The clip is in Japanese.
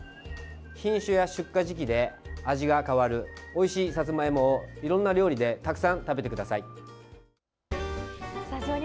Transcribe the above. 品種や出荷時期で味が変わるおいしいさつまいもをいろんな料理でたくさん食べてください。